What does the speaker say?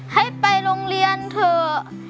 ให้ไปโรงเรียนเถอะ